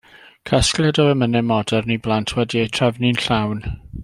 Casgliad o emynau modern i blant wedi eu trefnu'n llawn.